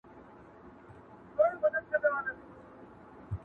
شاعر باید درباري نه وي.